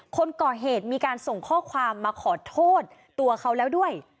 คนก่อเหตุมีการส่งข้อความมาขอโทษตัวเขาแล้วด้วย